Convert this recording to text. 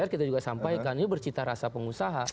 dpr kita juga sampaikan ini bercitarasa pengusaha